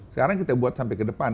sekarang kita buat sampai ke depan